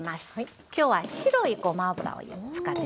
今日は白いごま油を使ってますよね。